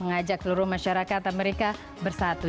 mengajak seluruh masyarakat amerika bersatu